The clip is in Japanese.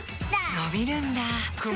のびるんだ